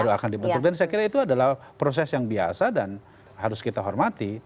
baru akan dibentuk dan saya kira itu adalah proses yang biasa dan harus kita hormati